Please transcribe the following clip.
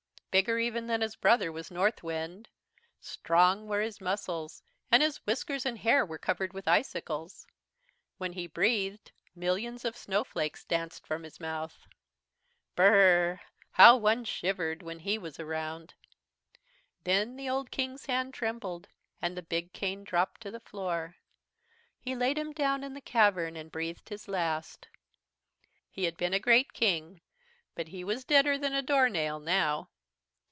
"Bigger even than his brother was Northwind. Strong were his muscles, and his whiskers and hair were covered with icicles. When he breathed, millions of snowflakes danced from his mouth. "Brrrrrrr!! how one shivered when he was around. "Then the old King's hand trembled and the big cane dropped to the floor. He laid him down in the cavern and breathed his last. He had been a great King but he was deader than a doornail now.